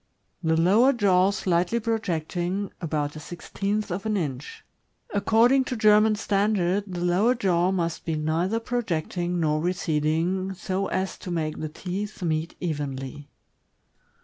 The lower jaw slightly projecting— about a sixteenth of an inch. According to German standard, the lower jaw must be neither projecting nor receding, so as to make the teeth meet evenly.